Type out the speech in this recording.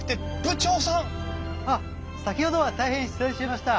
あっ先ほどは大変失礼しました。